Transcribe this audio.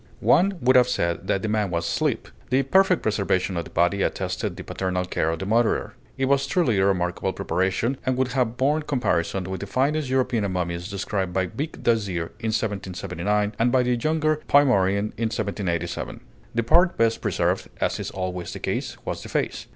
One would have said that the man was asleep. The perfect preservation of the body attested the paternal care of the murderer. It was truly a remarkable preparation, and would have borne comparison with the finest European mummies described by Vicq d'Azyr in 1779, and by the younger Puymaurin in 1787. The part best preserved, as is always the case, was the face.